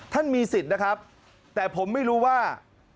ท่านมีสิทธิ์นะครับแต่ผมไม่รู้ว่า